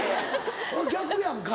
逆やんか。